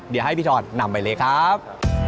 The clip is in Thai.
เดี๋ยวให้พี่ชอนนำไปเลยครับ